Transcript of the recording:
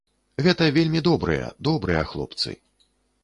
Гэта вельмі добрыя, добрыя хлопцы.